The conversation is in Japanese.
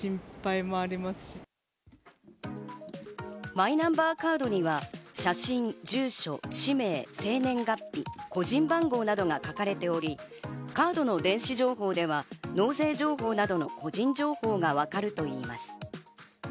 マイナンバーカードには写真、住所、氏名、生年月日、個人番号などが書かれており、カードの電子情報では納税情報などの個人情報がわかるといいます。